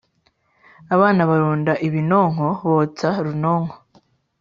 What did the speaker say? Abana barunda ibinonko botsa runonko